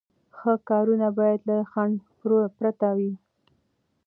ښه کارونه باید له خنډ پرته وي.